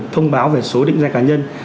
thông báo về số định danh cá nhân